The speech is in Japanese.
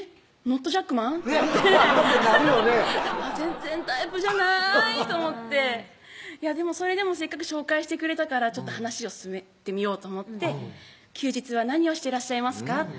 ノット・ジャックマンって思ってなるよね全然タイプじゃないと思ってでもそれでもせっかく紹介してくれたからちょっと話を進めてみようと思って「休日は何をしてらっしゃいますか？」